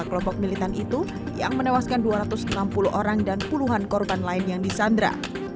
kelompok militan itu yang menewaskan dua ratus enam puluh orang dan puluhan korban lain yang disandra